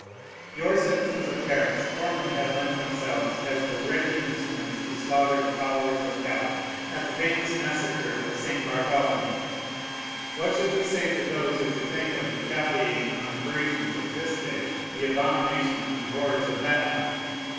Your citizens of Paris formerly had lent themselves as the ready instruments to slaughter the followers of Calvin, at the infamous massacre of St. Bartholomew. What should we say to those who could think of retaliating on the Parisians of this day the abominations and horrors of that time?